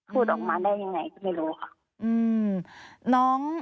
พูดออกมาได้ยังไงก็ไม่รู้ค่ะ